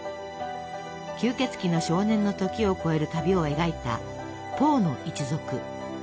吸血鬼の少年の時を超える旅を描いた「ポーの一族」。